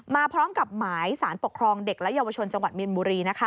มาพร้อมกับหมายสารปกครองเด็กและเยาวชนจังหวัดมีนบุรี